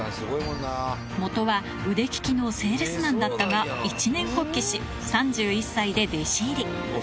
もとは腕利きのセールスマンだったが、一念発起し、３１歳で弟子入り。